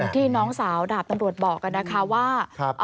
ที่น้องสาวดาบตำรวจบอกนะคะว่า